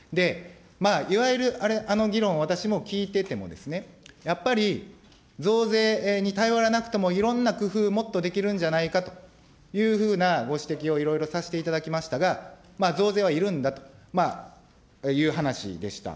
いわゆるあの議論、私も聞いてても、やっぱり増税に頼らなくても、いろんな工夫、もっとできるんじゃないかというふうなご指摘をいろいろさせていただきましたが、増税はいるんだという話でした。